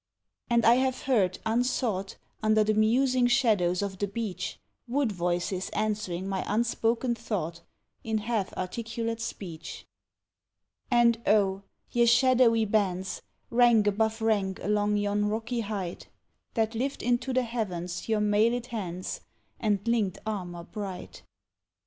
And I have heard, unsought, Under the musing shadows of the beech, Wood voices answering my unspoken thought, In half articulate speech. And oh! ye shadowy bands, Rank above rank along yon rocky height, That lift into the heavens your mailed hands, And linked armour bright.